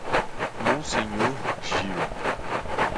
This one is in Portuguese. Monsenhor Gil